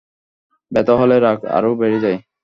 ব্যথা হলেই রাগ আরো বেড়ে যায়।